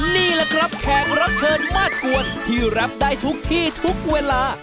นี่แหละครับแขกรับเชิญมาสกวนที่รับได้ทุกที่ทุกเวลา